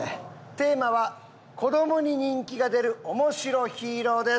テーマは「子どもに人気が出る面白ヒーロー」です。